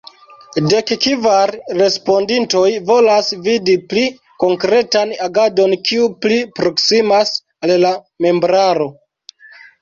Dek kvar respondintoj volas vidi pli konkretan agadon kiu pli proksimas al la membraro.